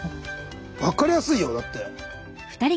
分かりやすいよだって。